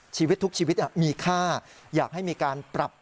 ชีวิตทุกชีวิตมีค่าอยากให้มีการปรับ